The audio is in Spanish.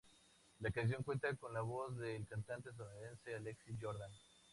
La canción cuenta con la voz de la cantante estadounidense Alexis Jordan.